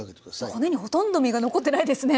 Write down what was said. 骨にほとんど身が残ってないですね。